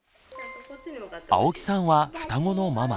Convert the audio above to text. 青木さんは双子のママ。